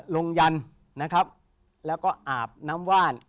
ยันนะครับแล้วก็อาบน้ำว่าน